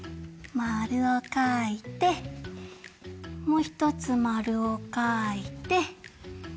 まるをかいてもうひとつまるをかいて。